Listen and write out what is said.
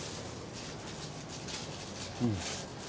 うん。